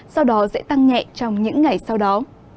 sau đó sẽ tăng nhẹ trong những ngày sau đó